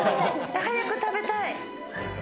早く食べたい。